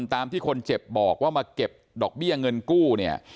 ตามที่คนเจ็บบอกว่ามาเก็บดอกเบี้ยเงินกู้เนี่ย